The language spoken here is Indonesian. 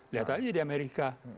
lihat aja di amerika